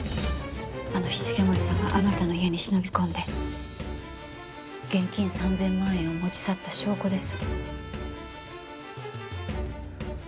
あの日重森さんがあなたの家に忍び込んで現金３０００万円を持ち去った証拠です。